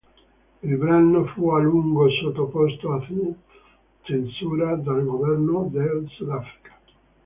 Il brano fu a lungo sottoposto a censura dal governo del Sudafrica.